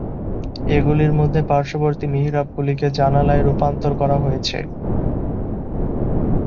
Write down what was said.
এগুলির মধ্যে পার্শ্ববর্তী মিহরাবগুলিকে জানালায় রূপান্তর করা হয়েছে।